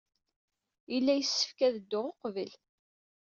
Yella yessefk ad dduɣ uqbel.